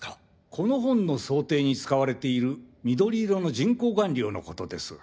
この本の装丁に使われている緑色の人工顔料のことです。